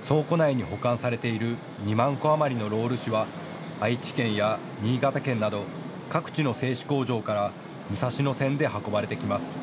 倉庫内に保管されている２万個余りのロール紙は愛知県や新潟県など各地の製紙工場から武蔵野線で運ばれてきます。